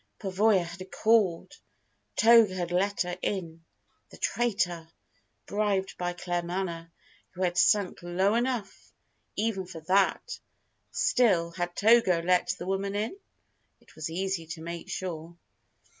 Pavoya had called! Togo had let her in, the traitor! bribed by Claremanagh, who had sunk low enough even for that! Still, had Togo let the woman in? It was easy to make sure.